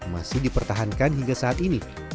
masih dipertahankan hingga saat ini